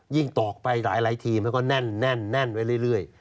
ตอกไปหลายทีมันก็แน่นไว้เรื่อย